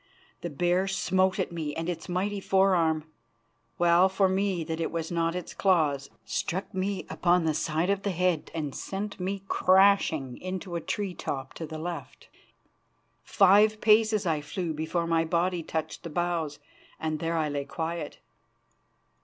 The bear smote at me, and its mighty forearm well for me that it was not its claws struck me upon the side of the head and sent me crashing into a tree top to the left. Five paces I flew before my body touched the boughs, and there I lay quiet.